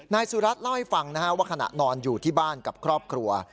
นายสุรัตน์เล่าให้ฟังว่าขณะนอนอยู่ที่บ้านกับครอบครัว